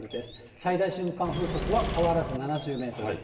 最大瞬間風速は変わらず７０メートル。